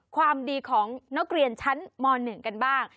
ความดีของนักเรียนชั้นม๑กันบ้าง